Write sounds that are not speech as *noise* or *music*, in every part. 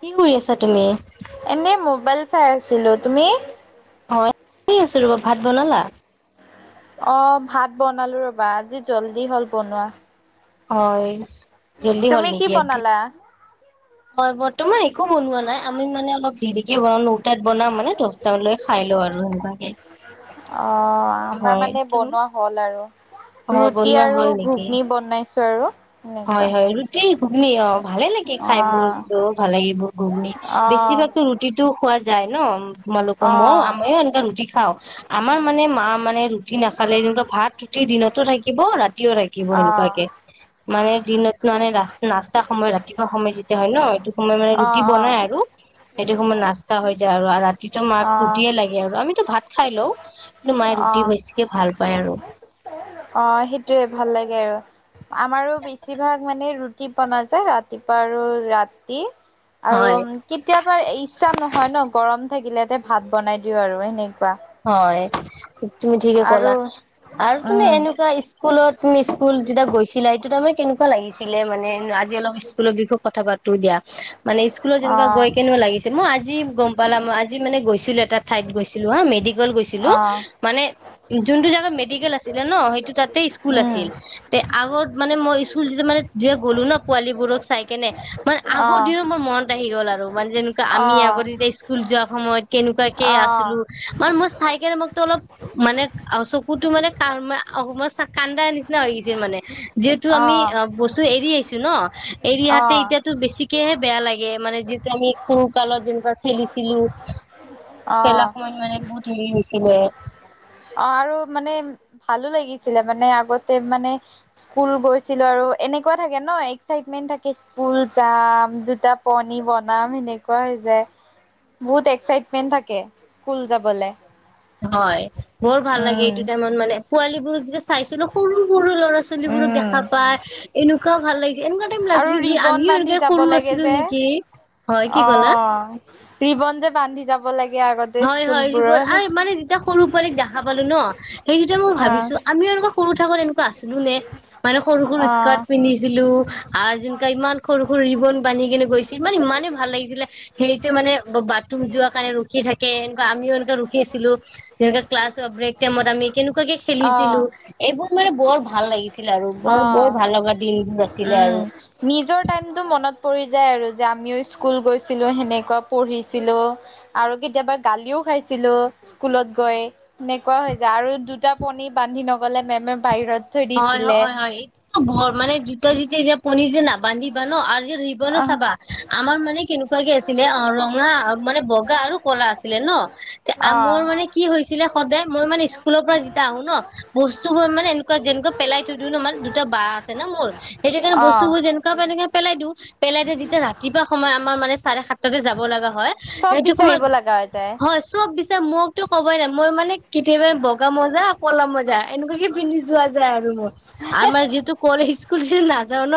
কি কৰি আছা তুমি? এনেই মোবাইল চাই আছিলো, তুমি অ 'এনেই আছিলো, ভাত বনালা? অ' ভাত বনালো ৰবা, আজি জল্দি হ'ল বনোৱা। হয় জল্দি হল তুমি কি নেকি আজি, বনালা? হয় ম তোমাৰ একো বনোৱা নাই আমি মানে অলপ দেৰিকে বনাও নটাত বনাাম মানে দশটালৈ খাই লওঁ আৰু তাকে। অ' আমাৰ মানে বনোৱা হ'ল আৰু। হয় ৰুটি বনোৱা আৰু হ'ল নেকি? ঘুগনী বনাইছো আৰু। হয় এনেকুৱা হয়, ৰুটি ঘুগনী অ ভালে লাগে অ। খাই মোৰ ভাল লাগে এইবোৰ ঘুগনী অ বেছি ৰুটিটো খোৱা যায় ন তোমালোকৰ অ মই আময়ও এনে ৰুটি খাও আমাৰ মানে মা মানে ৰুটি নাখালে যেনেকুৱা ভাত ৰুটি দিনতো থাকিব ৰাতিও থাকিব অ সেনেকুৱাকে। মানে দিনত মানে ৰা নাস্তা সময় ৰাতিপুৱা সময় যেতিয়া হয় ন, সেইটো সময় মানে অ ৰুটি বনাই আৰু। সেইটো সময়ত নাস্তা হৈ যায় আৰু ৰাতিটো মাক অ ৰুটিয়ে লাগে আৰু আমিতো ভাত খাই লও কিন্তু মায়ে অ ৰুটি অ। বেছিকে ভাল পায় আৰু। টোয়েই ভাল লাগে আৰু আমাৰো বেছিভাগ মানে ৰুটি বন যায় ৰা ৰাতিপুৱা আৰু ৰাতি। আৰু হয় কেতিয়াবা ইচ্ছা নহয় ন গৰম থাকিলে ভাত বনাই দিও আৰু সেনেকুৱা। হয়। তুমি ঠিকে আৰু ক'লা আৰু তুমি উম, এনেকুৱা স্কুলত তুমি স্কুল যেতিয়া গৈছিলা সেইটো তাৰ মানে কেনেকুৱা ছিলে মানে আজি অলপ স্কুলৰ বিষয়ত কথা পাতো দিয়া মানে স্কুলত যেনেকুৱা অ', গৈ কেনো লাগিছিল মই আজিৱ গম পালাম আজ *inaudible* আজি মানে গৈছিলোঁ, এটা ঠাইত গৈছিলোঁ হা মেডিকেল গৈছিলোঁ। অ', মানে যোনটো জাগাত মেডি মেডিকেল আছিলে ন, সেইটো তাতে স্কুল উম, আছিল তে আগত মানে মই স্কুল মই যেতিয়া গ'লো ন। ছোৱালী বোৰক চাই কেনে মানে আগৰ অ', দিনো মোৰ মনত আহি গ'ল আৰু মানে যেনেকুৱা আমি অ', আগতে যে স্কুল যোৱা সময়ত কেনেকুৱাকে অ', আছিলো। মান, মই চাইকেনে মোকটো অলপ মানে চকুটো মানে *unintelligible* কান্দা নিচিনা হৈ গৈছে মানে। যিহেতু আমি অ' বস্তু এৰি আহিছো ন, এৰি আহাতে অ', এতিয়াতো বেছি একয়হে বেয়া লাগে মানে যিহেটো আমি সৰু কালত যেনেকুৱা খেলিছিলো। খেলা অ'। সময়ত *unintelligible* অ আৰু মানে ভালো লাগিছিলে মানে আগতে মানে স্কুল গৈছিলো আৰু এনেকুৱা থাকে ন এক্সাইটমেন্ট থাকে স্কুল যাম দুটা পণী বনাম সেনেকুৱা যে বহুত এক্সাইটমেন্ট থাকে স্কুল যাবলে। হয়। বৰ ভাল লাগে উম এইটো টাইমত মানে। পোৱালীবোৰক যেতিয়া চাইছিলো সৰু সৰু ল'ৰা ছোৱালীবোৰক উম দেখা পায়। এনেকুৱাও ভাল লাগিছিল, এনেকুৱা টাইম আৰু লাগিছিল যে ৰিবন আমিও বান্ধি এনেকে যাব সৰু লাগে আছিলো যে নেকি? হয় কি অ, ক'লা ৰিবন যে বান্ধি যাব লাগে। আগতে হয় হয়, এইবোৰ স্কুলবোৰত আৰু মানে যেতিয়া সৰু পোৱালীক দেখা পালো ন, সেইটোৱে মই ভাবিছো অ আমিও এনেকুৱা সৰু থাকোতে এনেকুৱা আছিলো নে? মানে সৰু-সৰু স্কাৰ্ট পিন্ধিছিলো আৰু যেনকা ইমান সৰু-সৰু ৰিবন বান্ধি কিনে গৈছি, ইমান ইমানে ভাল লাগিছিলে। সেইটোৱে মানে বাথৰুম যোৱা কাৰণে ৰখি থাকে, এনেকুৱা আমিও এনেকুৱা ৰখি আছিলো। যেনেকা ক্লাছৰ ব্ৰেক টাইমত আমি কেনেকুৱাকে অ খেলিছিলো, এইবোৰ মানে বৰ ভাল লাগিছিল। ছিল আৰু অ বৰ বৰ অ ভাল লগা দিন আছিলে উম, আৰু। নিজৰ টাইমটো মনত পৰি যায় আৰু যে আমিও স্কুল গৈছিলো, সেনেকুৱা পঢ়িছিলো। আৰু কেতিয়াবা গালিও খাইছিলো স্কুলত গৈ এনেকুৱা হৈ যায়। আৰু, দুটা পণী বান্ধি নগ'লে মেমে বাহিৰত থৈ দিছি হয় হয় হয় হয়, এইটো মানে দুটা দুটা যেতিয়া পনিৰ যে নাবান্ধিবা ন আৰু, জৱনো আহ, চাবা আমাৰ মানে কেনেকুৱাকে আছিলে, অ ৰঙা মানে বগা আৰু কলা আছিলে ন। ন অ', মোৰ মানে কি হৈছিলে, সদায় মই মানে স্কুলৰ পৰা যেতিয়া আহো ন, বস্তুবোৰ মানে, যেনেকা পেলাই থৈ দিও ন মানে, দুটা বা আছে না মোৰ সেইটো কাৰণে অ', বস্তুবোৰ যেনেকুৱা তেনেকে পেলাই দিওঁ। পেলাই যেতিয়া ৰাতিপুৱা সময় আমাৰ মানে চাৰে সাত। তাতে যাব লগা হয়, চব সেইটো সময়ত বিচাৰিব লগা হৈ যায়। হয় চব মোকতো কবই নাই, মই মানে কেতিয়াবা বগা মজা কলা মজা এনেকুৱা যে পিন্ধিছো। ইস্কুল নাযাও ন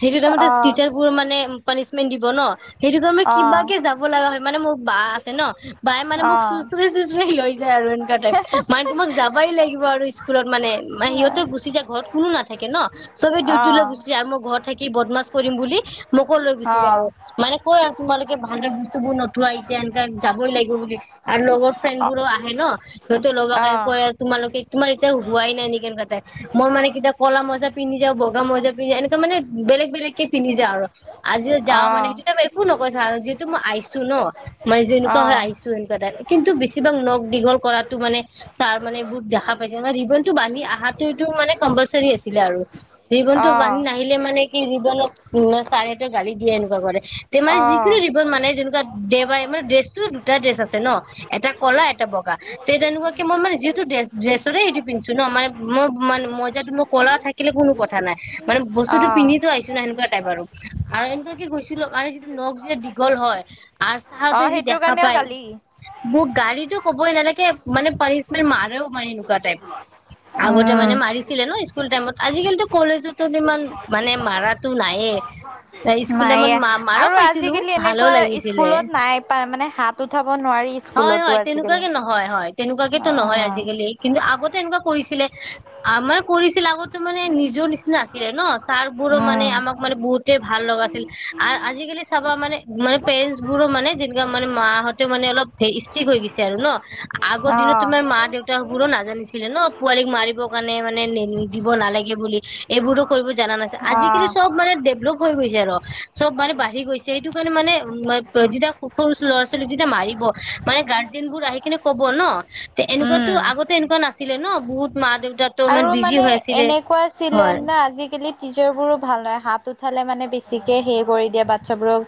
সেইটো অ', তাইমট টিচাৰবোৰ মানে পানিচমেন্ট দিব ন। সেইটো কাৰণে, মোৰ অ', অ', কিবাকে যাব লগা হয় মানে মোৰ বা আছে ন। বাায় মানে অ', মোক চোঁচৰাই চোঁচৰাই লৈ যায়। যায় আৰু এনেকুৱা টাইপ মানে তোমাক যাবাই লাগিব আৰু স্কুলত মানে। মান সিহতে গুচি যায়, ঘৰত কোনো নাথাকে ন চবে অ', অ', অ', অ', ডিউটি লৈ অ', গুচি যায় আৰু মই ঘৰত, ঘৰত থাকি বদমাছ কৰিম বুলি, মোক লৈ গুচি যায় আৰু মানে কৈ তোমালোকে ভালদৰে বস্তুবোৰ নোথোৱা, এতিয়া এনেকে যাবই লাগিব বুলি, আৰু লগৰ ফ্ৰেণ্ড বোৰো আহে ন সিহঁতে ল'ব কাৰণে কয় আৰু তোমালোকে তোমাৰ এতিয়া হোৱাই নাই নেকি, ক মই মানে কেতিয়া কলা মজা পিন্ধি যাওঁ বগা মজা পিন্ধ যাওঁ, এনেকুৱা মান বেলেগ বেলেগ কে পিন্ধি যাও আৰু। আজিও যাওঁ মানে তেতিয়াটো ত একো নকৈ ছাৰ আৰু যিহেতু মই আহিছো ন। মই যেনেকুৱা হৈ আহিছো এনেকোৱা টাইপ। কিন্তু বেছিভাগ নগ দীঘল কৰাতো মানে ছাৰ মানে বহুত দেখা পাইছে মানে ৰিবনটো বান্ধি আহাটো এটো মানে কম্পালচিৰি আছিলে আৰু ৰিবনটো বান্ধি নাহিলে মানে কি ৰিব কিয়নো নহ'লে চাৰ হতে গালি দিয়ে এনেকুৱা কৰে তে মানে অ', যিকোনো অ', ৰিবন মানে যেনেকুৱা দেওবাৰে মানে ড্ৰেছটো দুটা ড্ৰেছ আছে ন এটা কলা এটা বগা তে তেনেকুৱাকে মই মানে যিহেতু ড্ৰেছ ড্ৰেছৰে এইটো পিন্ধিছোঁ ন মানে মই মানে মই যেতো মোৰ ক'লা থাকিলে কোনো কথা নাই মানে বস্তুতো অ', পিন্ধি ত আহিছো না সেনেকুৱা টাইপ বাৰু আৰু এনে কি গৈছিলো মানে যিটো নখ যেতিয়া দীঘল হয় আৰ অ চাহাৰতে যি সেইটোৰ দেখা কাৰণেও পায় গালি বুক গালিতো ক'বই নালাগে মানে পানিচমেণ্ট মাৰেও মানে এনেকুৱা টাইপ আগতে উম মানে মাৰিছিলে ন স্কুল টাইমত আজিকালিতো কলেজততো ইমান মানে মাৰাতো নাইয়ে স্কুল টাইমত মায়ে ম মাৰো আৰু খাইছিলো আজিকালি ভালো এনেকুৱা লাগিছিলে স্কুলত নাই প মানে হাত উঠাব নোৱাৰি হয় স্কুলতো হয় আজিকালি অ তেনেকুৱাকে নহয় হয় তেনেকুৱাকেতো নহয় আজিকালি কিন্তু আগত তেনেকুৱা কৰিছিলে আ মানে কৰিছিলে আগতো মানে নিজৰ নিচিনা আছিলে ন চাৰবোৰো মানে উম আমাক মানে বহুত ভাল লগাছিল আৰু আজিকালি চাবা মানে মানে পেৰেন্ট বোৰো মানে যেনেকা মানে মা হতেও মানে অলপ ষ্ট্ৰিক হৈ গৈছে আৰু ন আগৰ অ দিনত তোমাৰ মা দেউতা বোৰো নাজানিছিলে ন পোৱালি মাৰিবৰ কাৰণে মানে দিব নালাগে বুলি এইবোৰো কৰিব জানা নাছিল অ আজিকালি চব মানে দেৱেলভ। অলপ হৈ গৈছে আৰু চব মানে বাঢ়ি গৈছে সেইটো কাৰণে মানে যেতিয়া সুখৰু ল'ৰা-ছোৱালী যেতিয়া মাৰি। মাৰিব মানে গাৰ্জেন্তবোৰ আহি কিনে ক'ব নহ এনেকুৱাটো উম আগতে এনেকুৱা নাছিলে নহ বহুত। মা-দেউতা। আৰু মানে এনেকুৱা আছিলে না আজিকালি। টিচাৰবোৰো ভাল হয় হাত উঠালে মানে বেছিকে হেই কৰি দিয়ে বাচ্ছাবোৰক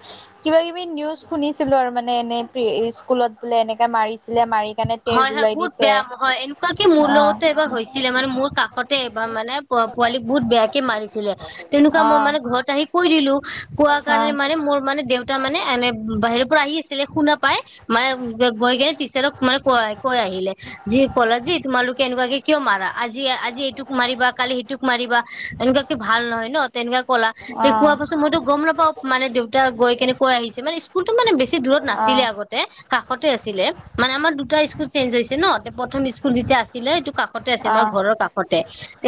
কিবা কিবি নিউজ। শুনিছিলো আৰু মানে এনেই স্কুলত বোলে এনেকে মাৰিছিলে মাৰি কাৰণে তেজ হয় হয় ওলাই বহুত দিছে বেয়া হয় এনেকুৱা কি মোৰ অ লগতো এবাৰ হৈছিলে মানে মোৰ কাষতে এবাৰ মানে পো পোৱালি বহুত বেয়াকে মাৰিছিলে তেনেকুৱা মই মানে ঘৰত আহি কৈ দিলো কোৱা কাৰণে মানে মোৰ মানে দেউ তা মানে এনে বাহিৰৰ পৰা আহি আছিলে শুনা পাই মাই গৈ কেনে টিচাৰক মানে কয় কৈ আহিলে যি কালা যি তোমালোকে এনেকুৱাকে কিয় মাৰা আজি আজি এইটোক মাৰিবা কালি সিটোক মাৰিবা এনেকুৱাকে ভাল নহয় নহ তেনেকুৱা। ক'লা তে অ অ কোৱা অ পাছত মইতো গম নাপাওঁ মানে দেউতা গৈ কেনে কৈ আহিছে মানে স্কুলতো মানে বেছি। দূৰত নাছিলে অ', আগতে কাষতে আছিলে। মানে আমাৰ দুটা স্কুল চেঞ্জ হৈছে নহ প্ৰথম স্কুল যেতিয়া আছিলে এইটো। কাষতে আছে মাৰ অ', ঘৰৰ কাষতে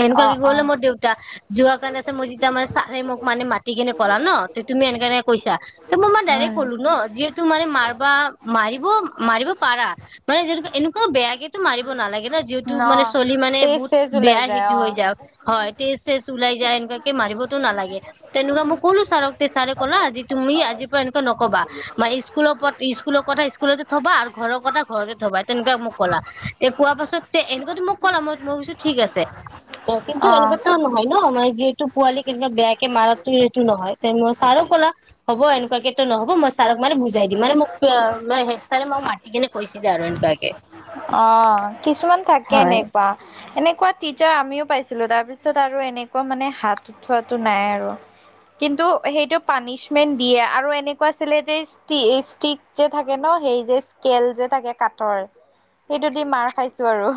এনেকুৱাকে অ', গ'লে অ', মোৰ দেউতা। যোৱা কাৰণে *unintelligible* মোক যেতিয়া মানে ছাৰে মোক মানে মাতি কিনে ক'লা নহ তে তুমি এনেক কাৰণে কৈছা। মই মানে ডাইৰেক্ট উম, ক'লো নহ যিহেতু মানে মাৰিবা মাৰিব মাৰিব। পাৰা মানে যিহেতুকে এনেকুৱা বেয়াকেতো মাৰিব নালাগে নহ। যিহেতু ন মানে চলি মানে তেইশ বহুত তেইশ ওলাই বেয়া সেইটো অ', হৈ যায় হয়। তেজ চজ ওলাই যায় এনেকুৱাকে মাৰিবতো নালাগে তেনেকুৱা মোক ক'লো ছাৰক তে ছাৰে ক'লা আজি তুমি আজি। আজিৰ পৰা এনেকে নকবা মানে স্কুলৰ স্কুলৰ কথা স্কুলৰ থবা আৰু। ঘৰৰ কথা ঘৰতে থবা তেনেকুৱা মোক ক'লা তে কোৱা পাছত তে এনেকুৱো মোক ক'লা মই মই কৈছোঁ ঠিক আছে। কিন্তু অ', এনেকুৱাতো নহ নহয় মানে। যিহেতু পোৱালিক এনেকে বেয়াকে মাৰাতো এইটো নহয় তেনেকুৱা ছাৰে ক'লা হব এনেকুৱাকেটো নহব মই। ছাৰক মানে বুজাই দি মানে মোক হেড ছাৰে মোক মাতি কিনে কৈছিলে আৰু এনেকুৱাকে। অ কিছুমান থাকে হয়। এনেকুৱা এনে। কোৱা টিচাৰ আমিওঁ পাইছিলো তাৰ পিছত আৰু এনেকুৱা মানে হাত উঠোৱাটো নাই আৰু। কিন্তু সেইটো পানিচমেন্ট দিয়ে আৰু এনেকুৱা আছিলে যে ষ্টিক যে থাকে নহ। সেই যে স্কেল যে থাকে কাঠৰ সেইটো দি মাৰ খাইছোঁ আৰু।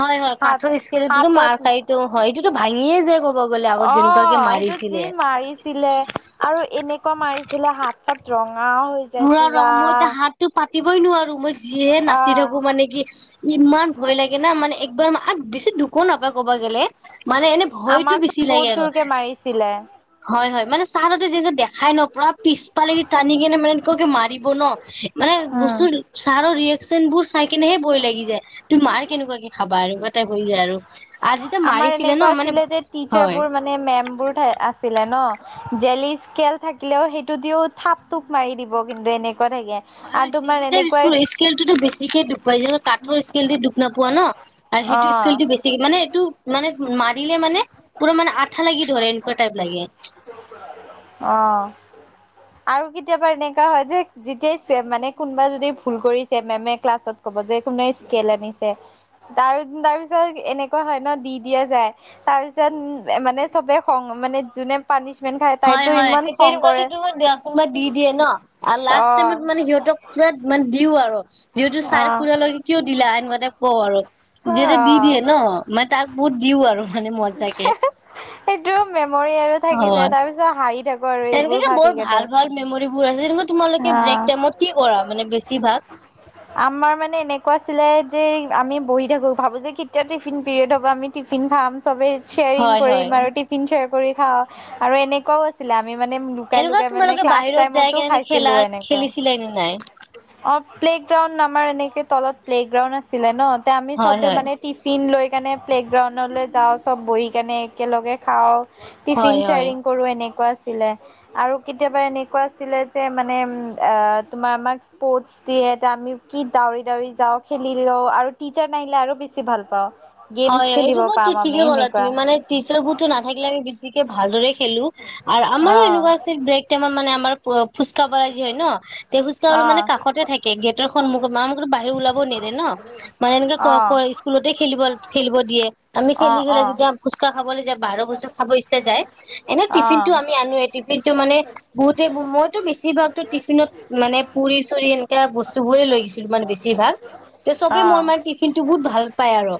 হয় হয় হাত কাঠৰ স্কেলদি মাৰ হাতত খাইটো হয় এইটো ভাঙিয়ে যায় ক'ব গ'লে আগত যেনেকুৱাকে মাৰ। সিটোত যি মাৰিছিলে আৰু এনেকুৱা মাৰিছিলে হাত চাত ৰং। ধৰা ৰং মইয়া হাতটো পাতিবই নোৱাৰো মই যিহে নাচি অ', থাকো মানে কি ইমান। ভয় লাগে না মানে একবাৰ বেছি দুখো নাপায় ক'ব গ'লে মানে এনে ভয়টো বেছি লাগে আৰু। পাইছিলে। হয়, হয়, মানে ছাৰহঁতে যেতিয়া দেখাই নহ পুৰা পিছ ফালেদি টানি কিনে মানে। *unintelligible* মাৰিব নহ মানে উম, বস্তু ছাৰো। চেন বোৰ চাই কিনেহে ভয় লাগি যায় তোমাৰ মাৰ কেনেকুৱাকে খাবা আৰু কিবা টাইপ হৈ যায় আৰু। আজি যে আমাৰ মাৰিছিলে ন এনেকুৱা মানে আছিলে যে টিচাৰ হয় বোৰ মানে মেম বোৰ আছিলে নহ। জেলি স্কেল থাকিলেও সেইটো দিও থাপ টোপ মাৰি দিব কিন্তু এনে। হয়, জেলি স্কেলটোতো বেছিকে দুখ পাই যে কাঠৰ স্কেল দুখ নাপোৱা নহ। আৰু সেইটো অ', স্কেলটো বেছি মানে এইটো মানে মাৰিলে মানে পুৰা মানে আঠা লাগি ধৰে এনেকুৱা। টাইপ লাগে। অ। *inaudible* আৰু কেতিয়াবা এনেকুৱা হয়, যে যেতিয়াই মানে কোনোবা যদি ভুল কৰিছে মেমে ক্লাছত কব যে। যে কোনে স্কেল আনিছে। তাৰ তাৰ পিছত এনেকুৱা হয় নহ দি দিয়া যায় তাৰপিছত মানে চবে খং। মানে যোনে পানিছ। হয়, হয় তেনেকুৱাকে টো কোনোবা দি দিয়ে নহ লাষ্ট অ টাইমত মানে সিহঁতক। দিও আৰু যিহেতু অ ছাৰ কুৰালৈকে কিয় দিলা এনেকুৱা টাইপ কওঁ আৰু। অ যিহেতু দি দিয়ে নহ মানে তাক বহুত দিওঁ আৰু মানে। মজাকে সেইটো মেমৰি আৰু থাকি যায় তাৰপিছত হাঁহি থা। এনেকাকে বৰ ভাল ভাল মেমৰিবোৰ আছে। কেনেকুৱা তোমালোকে ব্ৰেক অ টাইমত কি কৰা মানে বেছিভাগ। আমাৰ মানে এনেকুৱা আছিলে। যে আমি বহি থাকোঁ, ভাবোঁ যে কেতিয়া টিফিন পিৰিয়ড হব আমি টিফিন খাম চবে শ্বেয়াৰিং হয় কৰিম, হয় আৰু টিফিন শ্বেয়াৰ কৰি খাওঁ, আৰু এনেকুৱাও আছিলে আমি মানে, এনেকুৱা লুকাই-লুকাই মানে তোমালোকে ক্লাছ বাহিৰত যাই টাইমটো কেনে খাইছিলো খেলা এনেকুৱা খেলিছিলা নে নাই অ'। প্লেগ্ৰাউণ্ড আমাৰ এনেকে তলত প্লেগ্ৰাউণ্ড আছিলে নহ, তে আমি হয় চবে হয় মানে টিফিন লৈ কাৰণে প্লেগ্ৰাউণ্ডলে যাওঁ, চব বহি কেনে একেলগে খাওঁ টিফিন হয় হয় শ্বেয়াৰিং কৰো এনেকুৱা আৰু কেতিয়াবা এনেকুৱা আছিলে যে, মানে তোমাৰ আমাক স্পৰ্ষ্ট দি আমি কি দাউৰি দাউৰি যাওঁ, খেলি লওঁ। আৰু টিচাৰ নাহিলে, আৰু বেছি ভাল পাওঁ। গেমছ খেলিব ত' পাম আমি ঠিকে ক'লা সেনেকুৱা তুমি, মানে টিচাৰ বোৰতো নাথাকিলে আমি বেছিকে ভালদৰে খ আম অ খুজকাপাৰাজি হয় নহ, তে খুজকা অ মানে কাষতে থাকে। গেটৰ সন্মুখত মা-মা বাহিৰত ওলাব নেৰে নহ মানে, এনেকে অ ক-ক স্কুলতে খেলিব খেলিব দিয়ে, আমি অ খেলি ফেলে তিয়া ফুচকা খাবলে যাওঁ। বাহিৰৰ বস্তু খাব ইচ্ছা যায়, এনে অ অ টিফিন টো আমি আনো এ, টিফিনটো মানে বহুতে *unintelligible* বেছিভাগতো টিফিনত মানে, পুৰি-চুৰি এ তেতিয়া বস্তু বোৰে লৈ *unintelligible* মানে বেছি ভাগ, তে চবে অ মোৰ মানে টিফিনটো বহুত ভাল পায় আৰু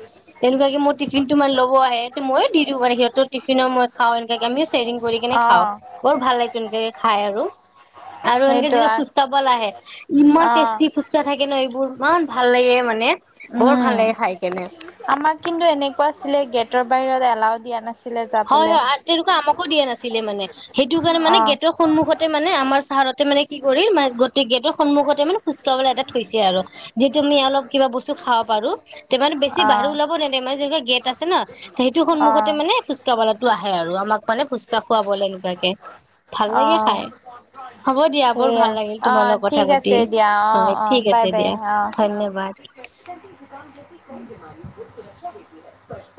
তেনেকুৱাকে মোৰ টিফিনটো মানে, ল'ব আহে। মইও দি দিও মানে সিহঁতৰ টিফিনও মই খাওঁ, এনেকে আমি চেয়াৰিং কৰি কেনে অ খাওঁ, বৰ ভাল লাগে তেনকে খাই আৰু আৰু এনেকে সেইটো যিটো আ *unintelligible* আহে, ইমান অ টেষ্টি ফুচকা থাকে নহ এইবোৰ ইমান ভাল লাগে মানে, বৰ ভাল উম, লাগে, খাই কেনে। আমাক কিন্তু এনেকুৱা আছিলে, গেটৰ বাহিৰত এলাও দিয়া নাছিল। হয়, হয়, আৰু তেনেকুৱা আমাকো দিয়া নাছিলে মানে। সেইটো কাৰণে মানে, অ', গেটৰ সন্মুখতে মানে আমাৰ পাহাৰতে মানে কি কৰিম, গতিকে এইটো সন্মুখতে মানে *unintelligible* এটা থৈছে আৰু যি তুমি অলপ কিবা বস্তু খাব পাৰোঁ *unintelligible* বেছি বাহিৰ অ', ওলাব নেদে, মানে যেনেকুৱা গেট আছে নহ সেইটো সন্মখতে অ', মানে *unintelligible* আহে আৰু আমাক মানে ফুচকা খুৱাবলে এনেকুৱাকে, ভাল লাগে অ', খাই। হ'ব দিয়া, বৰ সেইয়া ভাল লাগিল তোমাল অ', লগত কথা ঠিক পাতি। আছে দিয়া অ', হয়, অ', ঠিক বাই আছে বাই দিয়া অ'। ধন্যবাদ। *inaudible*